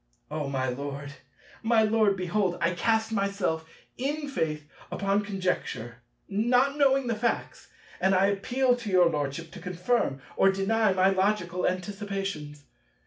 O, my Lord, my Lord, behold, I cast myself in faith upon conjecture, not knowing the facts; and I appeal to your Lordship to confirm or deny my logical anticipations.